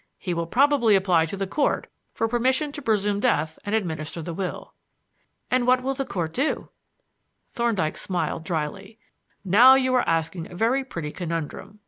He will probably apply to the Court for permission to presume death and administer the will." "And what will the Court do?" Thorndyke smiled dryly. "Now you are asking a very pretty conundrum.